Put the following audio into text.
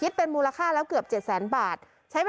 อัศวินธรรมชาติ